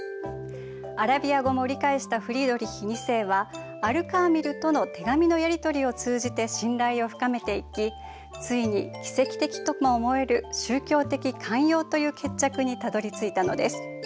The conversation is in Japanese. アラビア語も理解したフリードリヒ２世はアル・カーミルとの手紙のやり取りを通じて信頼を深めていきついに奇跡的とも思える宗教的寛容という決着にたどりついたのです。